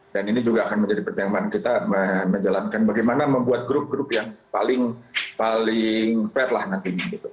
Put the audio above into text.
dan ini juga akan menjadi pertimbangan kita menjalankan bagaimana membuat grup grup yang paling fair lah nanti